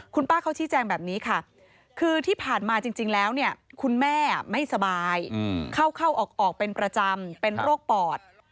คุณป้าเขาชี้แจงแบบนี้ค่ะคือที่ผ่านมาจริงแล้วเนี่ยคุณแม่ไม่สบายเข้าเข้าออกเป็นประจำเป็นโรคปอด